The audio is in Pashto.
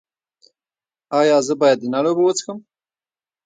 ایا زه باید د نل اوبه وڅښم؟